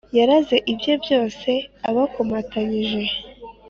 Yaraze ibye byose abakomatanyije